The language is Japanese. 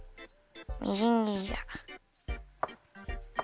みじんぎりじゃ。